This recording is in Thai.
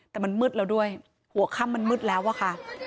แต่มันมืดแล้วด้วยหัวค่ำมันมืดแล้วอะค่ะ